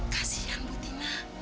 kasian bu tina